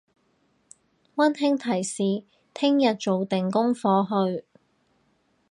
溫馨提示聽日做定功課去！